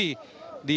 ini dia hera